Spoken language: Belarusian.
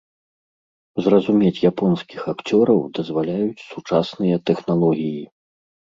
Зразумець японскіх акцёраў дазваляюць сучасныя тэхналогіі.